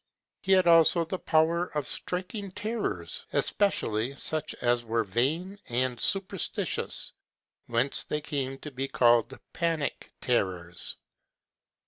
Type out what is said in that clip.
He had also the power of striking terrors, especially such as were vain and superstitious; whence they came to be called panic terrors.